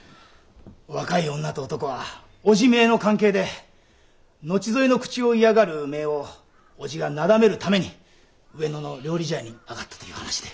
若い女と男は叔父姪の関係で後添いの口を嫌がる姪を叔父がなだめるために上野の料理茶屋に上がったという話で。